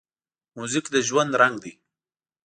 موزیک د ژوند رنګ دی.